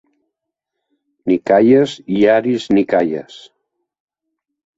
Nikaias i Aris Nikaias.